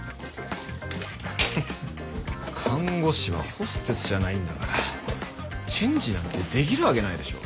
看護師はホステスじゃないんだからチェンジなんてできるわけないでしょ。